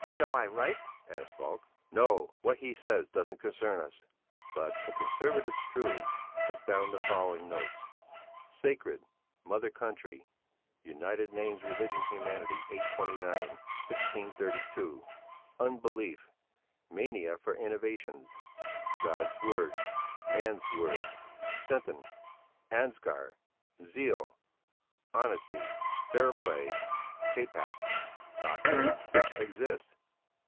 "Shall I write?" asked Falk. "No, what he says doesn't concern us." But the conservative Struve took down the following notes: Sacred. Int. Mother country. United names religion humanity 829, 1632. Unbelief. Mania for innovations. God's word. Man's word. Centen. Ansgar. Zeal. Honesty. Fairplay. Capac. Doctrine. Exist.